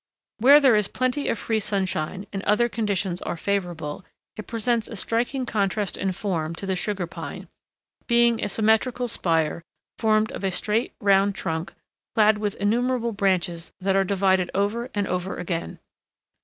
Where there is plenty of free sunshine and other conditions are favorable, it presents a striking contrast in form to the Sugar Pine, being a symmetrical spire, formed of a straight round trunk, clad with innumerable branches that are divided over and over again.